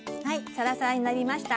サラサラになりました。